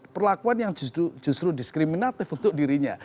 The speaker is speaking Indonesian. perlakuan yang justru diskriminatif untuk dirinya